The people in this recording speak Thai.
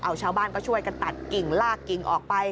เอาชาวบ้านก็ช่วยกันตัดกิ่งลากกิ่งออกไป